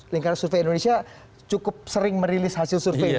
lingkaran survei indonesia cukup sering merilis hasil survei